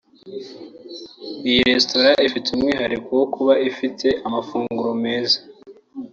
Iyi resitora ifite umwihariko wo kuba ifite amafunguro meza